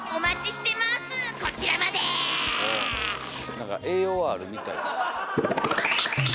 何か栄養はあるみたい。